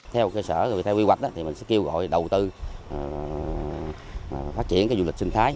theo cơ sở theo quy hoạch mình sẽ kêu gọi đầu tư phát triển du lịch sinh thái